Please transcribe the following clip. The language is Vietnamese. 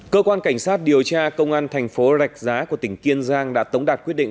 cơ quan cảnh sát điều tra công an thành phố rạch giá của tỉnh kiên giang đã tống đạt quyết định